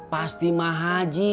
pasti mahal ji